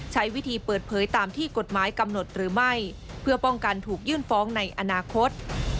ใช้วิธีเปิดเผยตามที่กฎหมายกำหนดหรือไม่เพื่อป้องกันถูกยื่นฟ้องในอนาคต